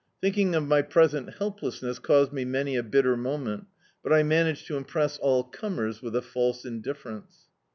Thinking of my present helplessness caused me many a bitter moment, but I managed to impress all comers with a false indifference.